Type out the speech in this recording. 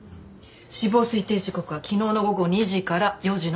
死亡推定時刻は昨日の午後２時から４時の間。